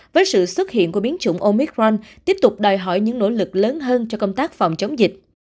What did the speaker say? với sự xuất hiện của biến chủng omicron tiếp tục đòi hỏi những nỗ lực lớn hơn cho công tác phòng chống dịch